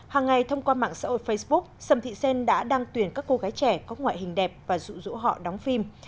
hàng ngày thông qua mạng xã hội facebook sầm thị xen đã đăng tuyển các cô gái trẻ có ngoại hình đẹp và dụ dỗ họ đóng phim